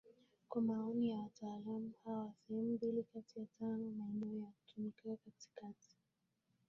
Kwa maoni ya wataalamu hawa sehemu mbili kati ya tano ya maneno yanayotumika katika